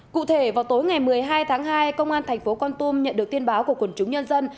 cụ thể vào tối ngày một mươi hai tháng hai công an thành phố con tum nhận được tin báo của quần chúng nhân dân